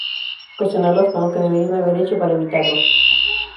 cuestionarlas con lo que deberían haber hecho para evitarlo